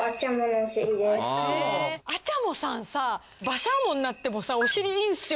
アチャモさんさバシャーモになってもおしりいいんすよ。